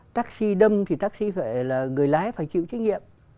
taxi đâm thì người lái phải chịu trách nhiệm